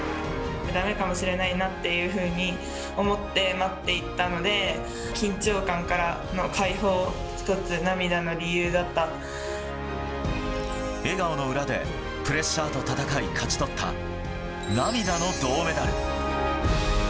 だめかもしれないなっていうふうに思って待っていたので、緊張感からの解放、一つ、涙の理笑顔の裏で、プレッシャーと闘い勝ち取った、涙の銅メダル。